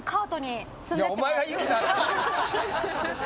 いやお前が言うな。